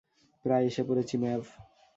প্রায় এসে পড়েছি, ম্যাভ।